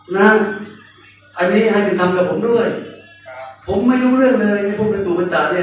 นะอันนี้ให้เป็นธรรมกับผมด้วยครับผมไม่รู้เรื่องเลยที่ผมเป็นตัวตัดเนี่ย